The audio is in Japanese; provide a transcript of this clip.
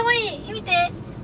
見て！